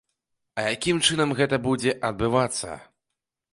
А якім чынам гэта будзе адбывацца?